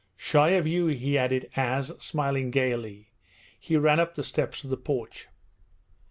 'Shy of you,' he added as, smiling gaily, he ran up the steps of the porch.